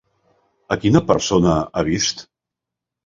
A quina persona ha vist?